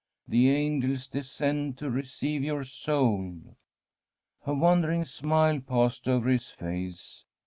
The angels descend to receive your soul.* A wondering smile passed over his face.